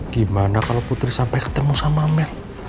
gimana kalo putri sampai ketemu sama mel